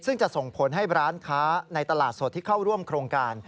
ซึ่งจะส่งผลให้ร้านค้าในตลาดสดที่เข้าร่วมโครงการ